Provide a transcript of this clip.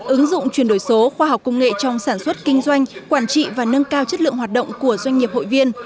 ứng dụng chuyển đổi số khoa học công nghệ trong sản xuất kinh doanh quản trị và nâng cao chất lượng hoạt động của doanh nghiệp hội viên